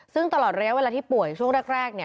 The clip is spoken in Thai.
ซึ่งตลอดระยะเวลาที่ป่วยช่วงแรก